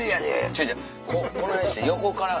ちゃうちゃうこないして横から。